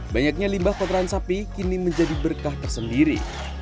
banyaknya limbah kotoran sapi kini menjadi berkah tersendiri